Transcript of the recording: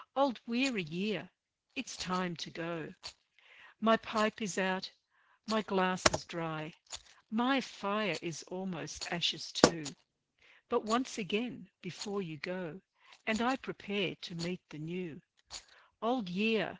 Old weary year! it's time to go. My pipe is out, my glass is dry; My fire is almost ashes too; But once again, before you go, And I prepare to meet the New: Old Year!